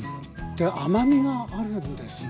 で甘みがあるんですね。